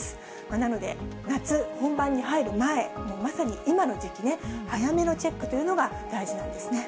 なので、夏本番に入る前、まさに今の時期ね、早めのチェックというのが大事なんですね。